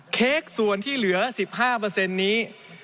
เค้กส่วนที่เหลือ๑๕นี้